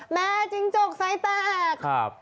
แม่จริงจกใส่แตก